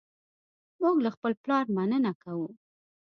موږ له خپل پلار مننه کوو.